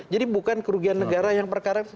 bukan kerugian negara yang perkara